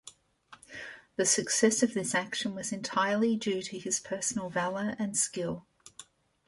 The success of this action was entirely due to his personal valour and skill.